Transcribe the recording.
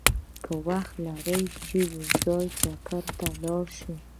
که وخت لرې چې یو ځای چکر ته لاړ شو!